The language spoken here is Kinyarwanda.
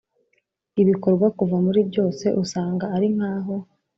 Ibikorwa kuva muri byose usanga ari nkaho